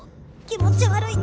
気持ち悪い！